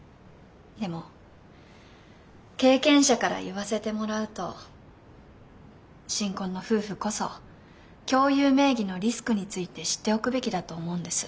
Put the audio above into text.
でも経験者から言わせてもらうと新婚の夫婦こそ共有名義のリスクについて知っておくべきだと思うんです。